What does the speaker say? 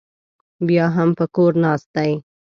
بیا هم په کور ناست دی.